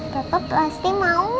papa pasti mau ma